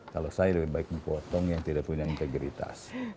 kalau saya lebih baik mempotong yang tidak punya integritas